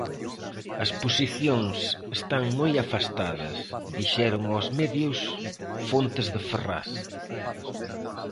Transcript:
"As posicións están moi afastadas", dixeron aos medios fontes de Ferraz.